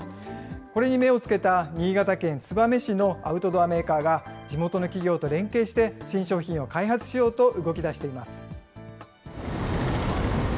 これに目を付けた新潟県燕市のアウトドアメーカーが、地元の企業と連携して新商品を開発しようと動きだしています。